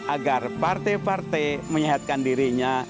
agar partai partai menyehatkan dirinya